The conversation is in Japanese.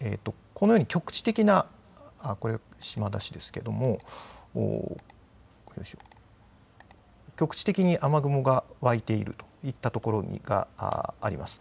このように局地的な、これは島田市ですけれども、局地的に雨雲がわいているといった所があります。